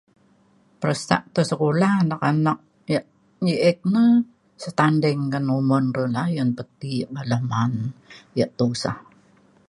peresak tok sekula anak anak ya nye ek ne setanding ngan umun re na ayen pe ti ya' ma'an na ya' tusa